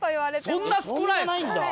そんなないんだ。